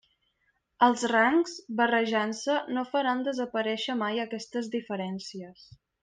Els rangs, barrejant-se, no faran desaparèixer mai aquestes diferències.